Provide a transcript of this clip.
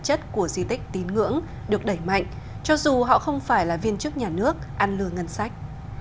chất của di tích tín ngưỡng được đẩy mạnh cho dù họ không phải là viên chức nhà nước ăn lừa ngân sách